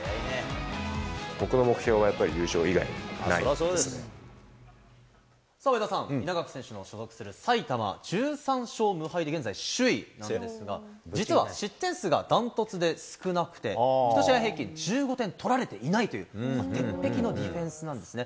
僕の目標は、やっぱり優勝以上田さん、稲垣選手の所属する埼玉、１３勝無敗で現在首位なんですが、実は失点数が断トツで少なくて、１試合平均１５点取られていないという、鉄壁のディフェンスなんですね。